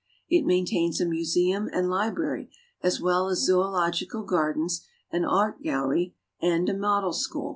It maintains a museum and library as well as zoological gardens, an art gallery, and a model school.